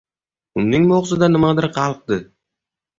Uning bo‘g‘zida nimadir qalqdi.